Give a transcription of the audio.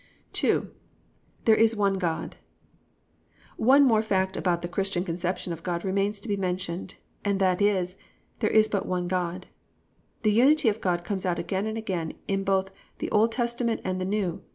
THERE IS ONE GOD One more fact about the Christian conception of God remains to be mentioned and that is: There is but one God. The Unity of God comes out again and again in both the Old Testament and the New.